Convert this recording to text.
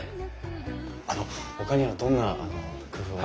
あのほかにはどんな工夫を。